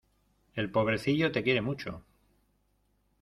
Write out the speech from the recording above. El pobrecillo te quiere mucho.